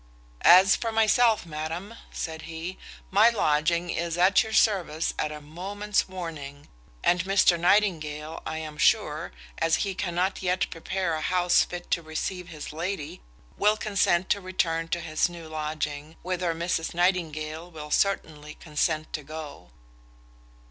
"As for myself, madam," said he, "my lodging is at your service at a moment's warning; and Mr Nightingale, I am sure, as he cannot yet prepare a house fit to receive his lady, will consent to return to his new lodging, whither Mrs Nightingale will certainly consent to go."